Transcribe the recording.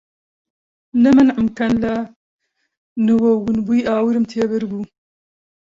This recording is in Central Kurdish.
نە مەنعم کەن لە نووەو ون بووی ئاورم تێ بەر بوو